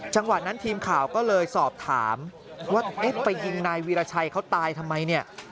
จังหวะนั้นทีมข่าวก็เลยสอบถามว่าเอ๊ะไปยิงนายวีรชัยเขาตายทำไมเนี่ย